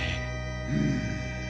うん。